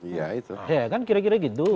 iya itu ya kan kira kira gitu